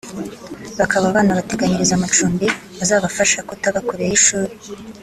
bakaba banabateganyiriza amacumbi azabafasha kutaba kure y’ishuri